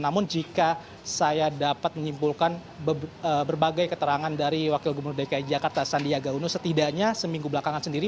namun jika saya dapat menyimpulkan berbagai keterangan dari wakil gubernur dki jakarta sandiaga uno setidaknya seminggu belakangan sendiri